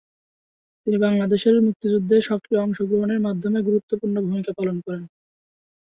তিনি বাংলাদেশের মুক্তিযুদ্ধে সক্রিয় অংশ গ্রহণের মাধ্যমে গুরুত্বপূর্ণ ভূমিকা পালন করেন।